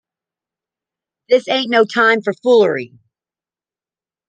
This ain't no time for foolery.